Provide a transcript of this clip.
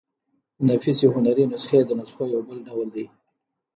نفیسي هنري نسخې د نسخو يو بل ډول دﺉ.